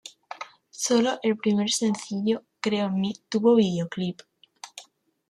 Solo el primer sencillo, Creo en mí, tuvo vídeoclip.